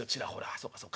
「そうかそうか。